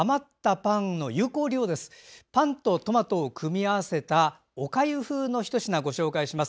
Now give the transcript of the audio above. パンとトマトを組み合わせておかゆ風の一品をつくります。